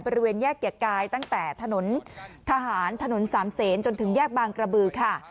บริเวณแยกเกียรติกายตั้งแต่ถนนทหารถนนสามเศษจนถึงแยกบางกระบือค่ะ